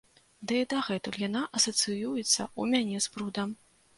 Ды і дагэтуль яна асацыюецца ў мяне з брудам.